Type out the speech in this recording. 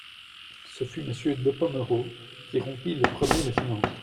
Ce fut Monsieur de Pomereux qui rompit le premier le silence.